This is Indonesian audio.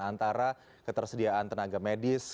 antara ketersediaan tenaga medis